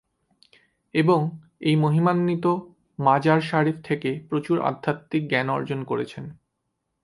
এবং এই মহিমান্বিত মাজার শরীফ থেকে প্রচুর আধ্যাত্বিক জ্ঞান অর্জন করেছেন।